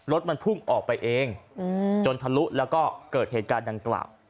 รถมันพุ่งออกไปเองจนทะลุแล้วก็เกิดเหตุการณ์ดังกล่าว